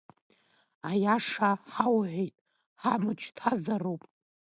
Аиаша ҳауҳәеит, ҳамч ҭазароуп!